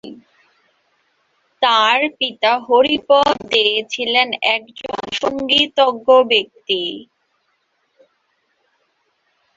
তাঁর পিতা হরিপদ দে ছিলেন একজন সঙ্গীতজ্ঞ ব্যক্তি।